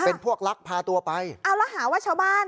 เป็นพวกลักพาตัวไปเอาแล้วหาว่าชาวบ้าน